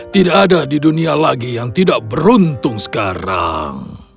tidak ada di dunia lagi yang tidak beruntung sekarang